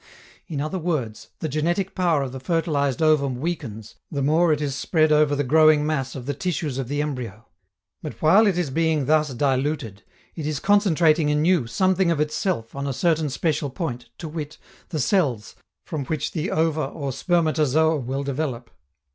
In other words, the genetic power of the fertilized ovum weakens, the more it is spread over the growing mass of the tissues of the embryo; but, while it is being thus diluted, it is concentrating anew something of itself on a certain special point, to wit, the cells, from which the ova or spermatozoa will develop.